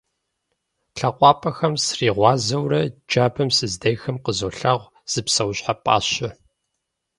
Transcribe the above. ЛъакъуапӀэхэм сригъуазэурэ джабэм сыздехым, къызолъагъу зы псэущхьэ пӀащэ.